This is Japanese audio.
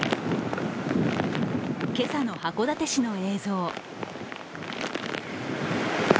今朝の函館市の映像。